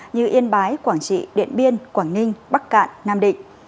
như yên bái quảng trị điện biên quảng ninh bắc cạn nam định